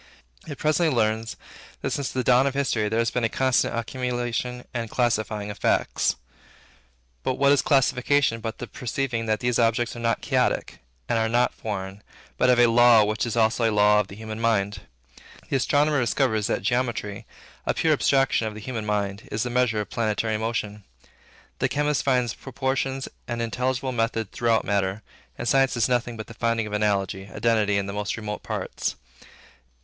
It presently learns, that, since the dawn of history, there has been a constant accumulation and classifying of facts. But what is classification but the perceiving that these objects are not chaotic, and are not foreign, but have a law which is also a law of the human mind? The astronomer discovers that geometry, a pure abstraction of the human mind, is the measure of planetary motion. The chemist finds proportions and intelligible method throughout matter; and science is nothing but the finding of analogy, identity, in the most remote parts.